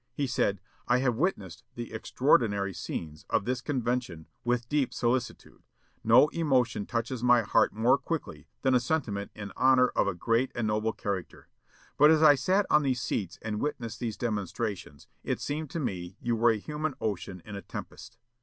He said: "I have witnessed the extraordinary scenes of this convention with deep solicitude. No emotion touches my heart more quickly than a sentiment in honor of a great and noble character; but, as I sat on these seats and witnessed these demonstrations, it seemed to me you were a human ocean in a tempest.